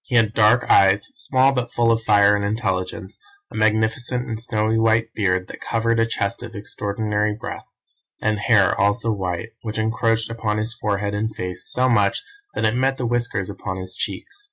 He had dark eyes, small but full of fire and intelligence, a magnificent and snowy white beard that covered a chest of extraordinary breadth, and hair also white, which encroached upon his forehead and face so much that it met the whiskers upon his cheeks.